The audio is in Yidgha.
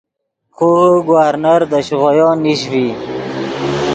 خوغے گورنر دے شیغویو نیش ڤی